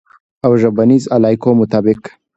او ژبنیز علایقو مطابق